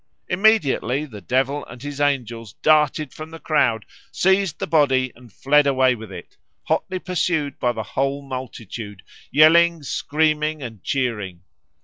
Immediately the devil and his angels darted from the crowd, seized the body and fled away with it, hotly pursued by the whole multitude, yelling, screaming, and cheering.